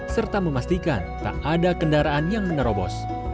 serta memastikan tak ada kendaraan yang menerobos